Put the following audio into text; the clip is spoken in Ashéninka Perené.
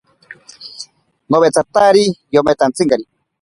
Nowetsatari yometantsikari.